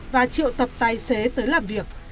và triệu tập tài xế tới làm việc